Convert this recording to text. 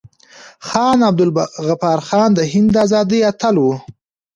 خان عبدالغفار خان د هند د ازادۍ اتل و.